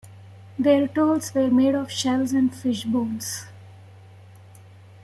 Their tools were made of shells and fish bones.